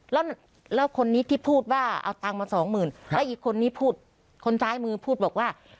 แล้วคนนี้ที่พูดว่าเอาตังค์มาสองหมื่นแล้วอีกคนนี้พูดคนซ้ายมือพูดบอกว่า